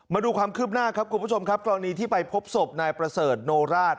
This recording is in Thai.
มาดูความคืบหน้าครับคุณผู้ชมครับกรณีที่ไปพบศพนายประเสริฐโนราช